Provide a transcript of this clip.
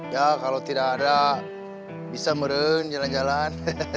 ya kalau tidak ada bisa meren jalan jalan